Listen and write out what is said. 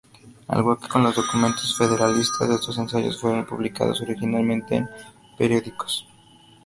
Al igual que con los documentos federalistas, estos ensayos fueron publicados originalmente en periódicos.